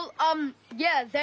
じゃあな。